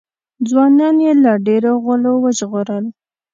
ځوانان یې له ډېرو غولو وژغورل.